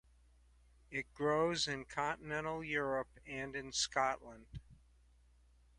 It grows in continental Europe and in Scotland.